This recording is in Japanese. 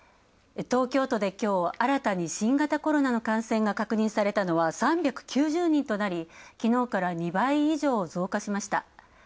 東京都できょう、新たに新型コロナの感染が確認されたのは、３９０人となりきのうから２倍以上増加しました。